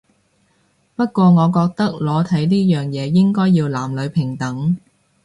不過我覺得裸體呢樣嘢應該要男女平等